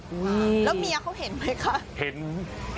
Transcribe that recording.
แล้วเมียเขาเห็นไหมคะ